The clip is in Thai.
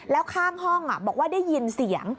แล้วข้างห้องบอกว่าได้ยินเสียง